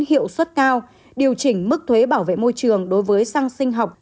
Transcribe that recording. hiệu suất cao điều chỉnh mức thuế bảo vệ môi trường đối với săng sinh học